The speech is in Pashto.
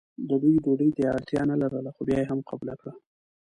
د دوی ډوډۍ ته یې اړتیا نه لرله خو بیا یې هم قبوله کړه.